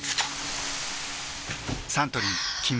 サントリー「金麦」